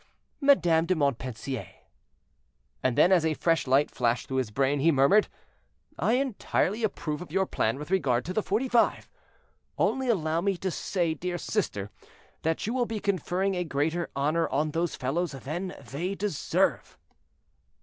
"Madame de Montpensier." And then, as a fresh light flashed through his brain, he murmured, "I entirely approve of your plan with regard to the Forty five; only allow me to say, dear sister, that you will be conferring a greater honor on those fellows than they deserve."